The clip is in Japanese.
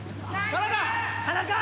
田中‼